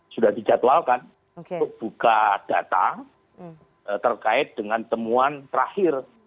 sudah dijadwalkan untuk buka data terkait dengan temuan terakhir